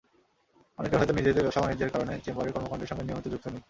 অনেকে হয়তো নিজেদের ব্যবসা-বাণিজ্যের কারণে চেম্বারের কর্মকাণ্ডের সঙ্গে নিয়মিত যুক্ত নেই।